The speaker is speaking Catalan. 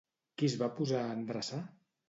Qui es va posar a endreçar?